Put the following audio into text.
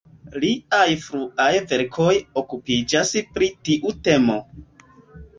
Liaj fruaj verkoj okupiĝas pri tiu temo.